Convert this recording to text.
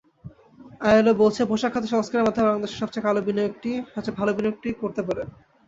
ILO বলছে, পোশাক খাতে সংস্কারের মাধ্যমে বাংলাদেশ সবচেয়ে ভালো বিনিয়োগটি করতে পারে।